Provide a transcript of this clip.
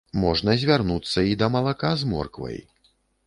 Можна звярнуцца і да малака з морквай.